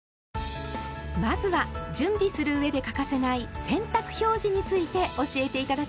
まずは準備する上で欠かせない「洗濯表示」について教えて頂きましょう。